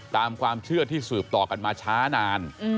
ตามความเชื่อที่สืบต่อกันมาช้านาน